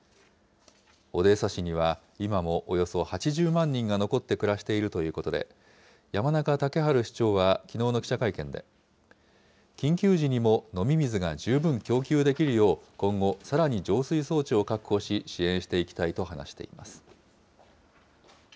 オデーサ市には、今もおよそ８０万人が残って暮らしているということで、山中竹春市長はきのうの記者会見で、緊急時にも飲み物が十分供給できるよう、今後さらに浄水装置を確保し、支援していきたいと話しています。